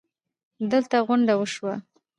دلته غونډه وشوه